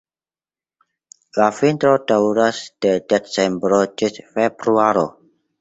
La vintro daŭras de decembro ĝis februaro.